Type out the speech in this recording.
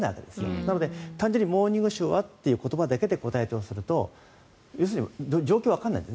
なので単純に「モーニングショー」はという言葉だけで答えてとすると要するに状況がわからないんです。